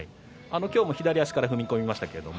今日も左足から踏み込みました。